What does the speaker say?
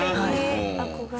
憧れ。